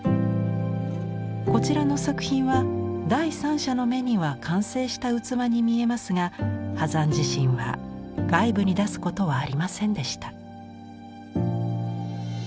こちらの作品は第三者の目には完成した器に見えますが波山自身は外部に出すことはありませんでした。